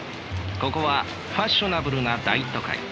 ここはファッショナブルな大都会。